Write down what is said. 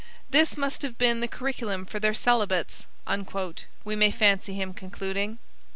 "This must have been the curriculum for their celibates," we may fancy him concluding.